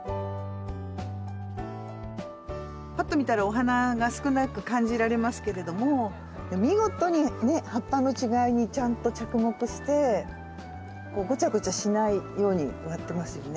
パッと見たらお花が少なく感じられますけれども見事にね葉っぱの違いにちゃんと着目してごちゃごちゃしないように植わってますよね。